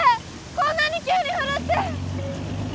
こんなに急に降るって。